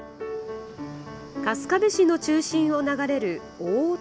春日部市の中心を流れる大落